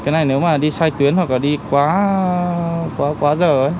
nếu đi sai tuyến hoặc quá giờ